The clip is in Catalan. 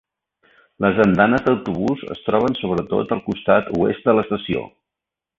Les andanes d'autobús es troben sobretot al costat oest de l'estació.